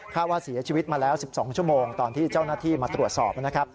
ว่าเสียชีวิตมาแล้ว๑๒ชั่วโมงตอนที่เจ้าหน้าที่มาตรวจสอบนะครับ